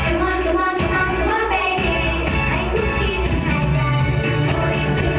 เพราะคุณเขาคิดมาทำงานสุข